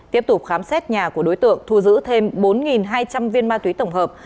tiếp tục khám xét nhà của đối tượng thu giữ thêm bốn hai trăm linh viên ma túy tổng hợp